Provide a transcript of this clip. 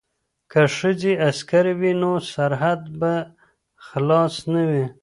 که ښځې عسکرې وي نو سرحد به خلاص نه وي.